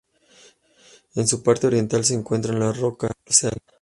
En su parte oriental se encuentran las rocas Seal.